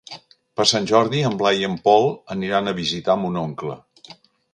Per Sant Jordi en Blai i en Pol aniran a visitar mon oncle.